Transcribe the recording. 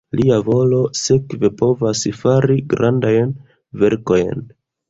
Lia volo sekve povas fari grandajn verkojn.